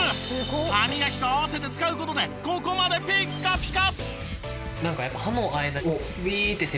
歯磨きと合わせて使う事でここまでピッカピカ！